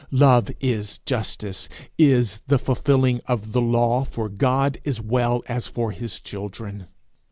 Love is justice is the fulfilling of the law, for God as well as for his children.